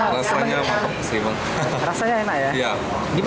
rasanya mantap sih man